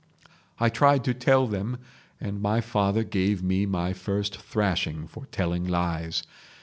. "I tried to tell them, and my father gave me my first thrashing for telling lies.